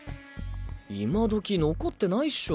今時残ってないっしょ